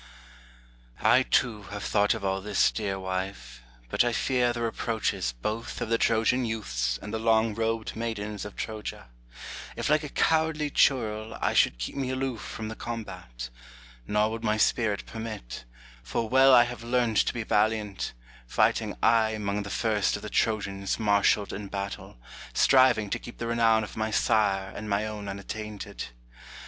] I too have thought of all this, dear wife, but I fear the reproaches Both of the Trojan youths and the long robed maidens of Troja, If like a cowardly churl I should keep me aloof from the combat: Nor would my spirit permit; for well I have learnt to be valiant, Fighting aye 'mong the first of the Trojans marshalled in battle, Striving to keep the renown of my sire and my own unattainted.